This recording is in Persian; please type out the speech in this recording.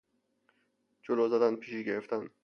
جلو زدن، پیشی گرفتن